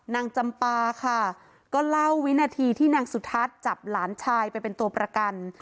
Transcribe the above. นางจำปาค่ะก็เล่าวินาทีที่นางสุทัศน์จับหลานชายไปเป็นตัวประกัน